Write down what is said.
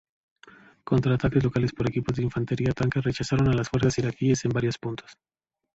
Contraataques locales por equipos de infantería-tanque rechazaron a las fuerzas iraquíes en varios puntos.